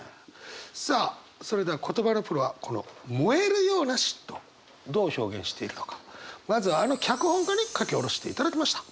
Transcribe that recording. さあそれでは言葉のプロはこの燃えるような嫉妬どう表現しているのかまずはあの脚本家に書き下ろしていただきました。